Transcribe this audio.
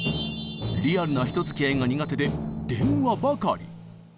リアルな人づきあいが苦手で電話ばかり。